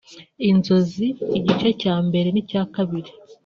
Inzozi igice cya mbere n’icya kabiri